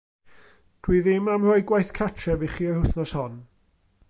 Dw i ddim am roi gwaith cartref i chi yr wythnos hon.